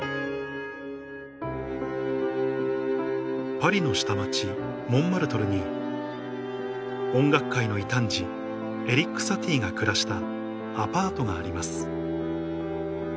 パリの下町モンマルトルに音楽界の異端児エリック・サティが暮らしたアパートがあります